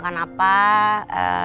kita di luar aja ya